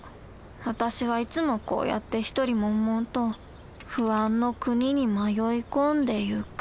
私はいつもこうやって一人もんもんと不安の国に迷い込んでいく。